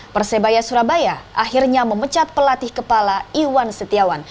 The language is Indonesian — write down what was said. persebaya surabaya akhirnya memecat pelatih kepala iwan setiawan